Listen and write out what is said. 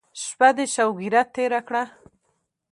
شپه دې شوګیره تېره کړه.